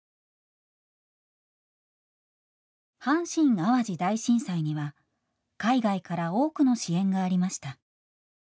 阪神・淡路大震災には海外から多くの支援がありました。